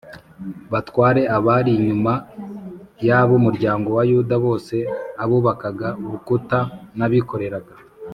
batware a bari inyuma y ab umuryango wa Yuda bose Abubakaga urukuta n abikoreraga